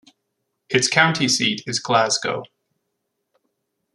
Its county seat is Glasgow.